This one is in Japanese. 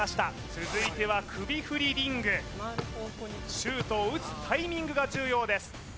続いては首振りリングシュートを打つタイミングが重要です